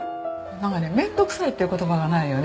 なんかね「面倒くさい」っていう言葉がないよね。